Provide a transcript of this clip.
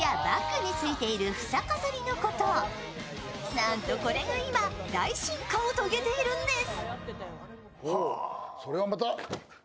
なんとこれが今大進化を遂げているんです。